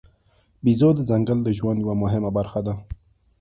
بیزو د ځنګل د ژوند یوه مهمه برخه ده.